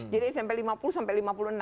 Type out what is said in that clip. jadi smp lima puluh sampai lima puluh enam